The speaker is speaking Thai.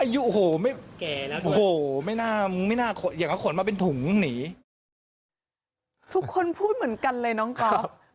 ทุกคนพูดเหมือนกันเลยน้องก๊อฟ